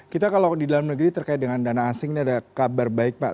kita kalau di dalam negeri terkait dengan dana asing ini ada kabar baik pak